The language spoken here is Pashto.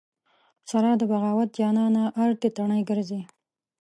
سره د بغاوت جانانه ارتې تڼۍ ګرځې